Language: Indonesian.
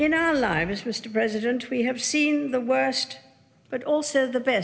dalam hidup kita pak presiden kita telah melihat yang terburuk tapi juga yang terbaik